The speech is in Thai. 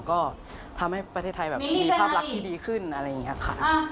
ก็ทำให้ประเทศไทยแบบมีภาพลักษณ์ที่ดีขึ้นอะไรอย่างนี้ค่ะ